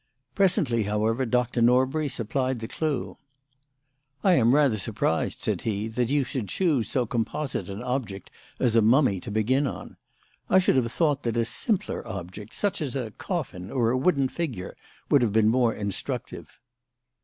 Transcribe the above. Presently, however, Dr. Norbury supplied the clue. "I am rather surprised," said he, "that you chose so composite an object as a mummy to begin on. I should have thought that a simpler object, such as a coffin or a wooden figure, would have been more instructive."